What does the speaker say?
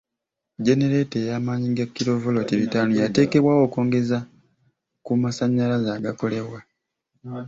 Genereeta ey'amaanyi ga kilo voloti bitaano yateekebwawo okwongeza ku masanyalaze agakolebwa.